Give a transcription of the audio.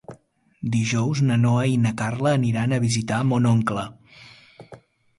Dijous na Noa i na Carla aniran a visitar mon oncle.